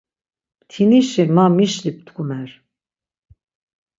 Mtinişi ma mişli ptkumer.